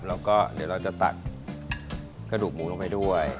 แล้วก็เดี๋ยวเราจะตักกระดูกหมูลงไปด้วย